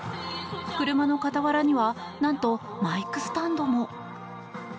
車の傍らには何と、マイクスタンドも。